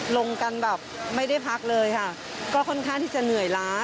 ลงกันแบบไม่ได้พักเลยค่ะก็ค่อนข้างที่จะเหนื่อยล้า